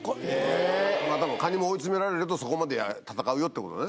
カニも追い詰められるとそこまで戦うよってことだね。